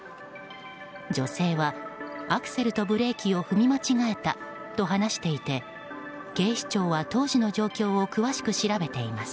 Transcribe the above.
女性は、アクセルとブレーキを踏み間違えたと話していて警視庁は当時の状況を詳しく調べています。